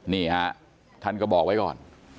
นี่ฮะท่านก็บอกไว้ก่อน